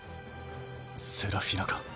セラフィナか？